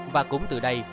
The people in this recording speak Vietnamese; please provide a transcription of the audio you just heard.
và cũng từ đây